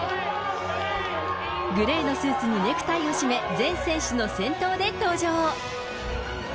グレーのスーツにネクタイを締め、全選手の先頭で登場。